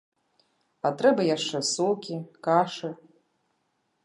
А трэба яшчэ сокі, кашы.